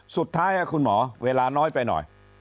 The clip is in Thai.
สุดท้ายคุณหมอเวลาน้อยไปหน่อย